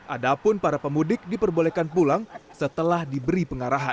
ada pun para pemudik diperbolehkan pulang setelah diberi pengarahan